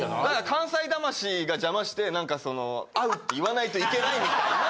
関西魂が邪魔してなんかその合うって言わないといけないみたいな。